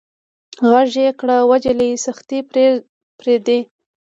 غږ يې کړ وه جلۍ سختي پرېدئ.